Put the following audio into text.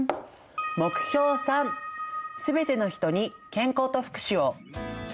目標３「すべての人に健康と福祉を」。